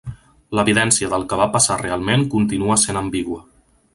L'evidència del que va passar realment continua sent ambigua.